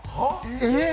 えっ！？